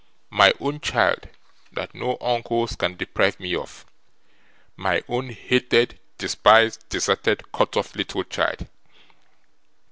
My own child, that no uncles can deprive me of; my own hated, despised, deserted, cut off little child.